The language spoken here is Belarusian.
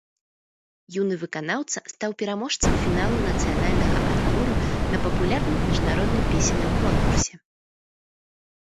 Юны выканаўца стаў пераможцам фіналу нацыянальнага адбору на папулярным міжнародным песенным конкурсе.